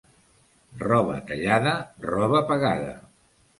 Roba tallada, roba pagada.